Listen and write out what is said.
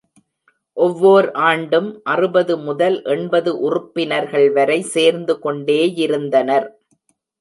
ஒவ்வோர் ஆண்டும் அறுபது முதல் எண்பது உறுப்பினர்கள் வரை சேர்ந்துகொண்டே யிருந்தனர்.